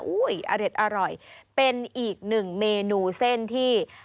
อเด็ดอร่อยเป็นอีกหนึ่งเมนูเส้นที่